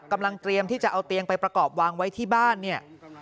เตรียมที่จะเอาเตียงไปประกอบวางไว้ที่บ้านเนี่ย